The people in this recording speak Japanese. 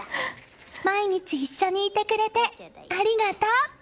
毎日一緒にいてくれてありがとう！